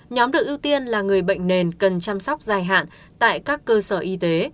nhóm được ưu tiên là người bệnh nền cần chăm sóc dài hạn tại các cơ sở y tế